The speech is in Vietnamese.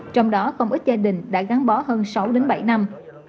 trong đó không ít gia đình đã gắn bó hơn sáu bảy năm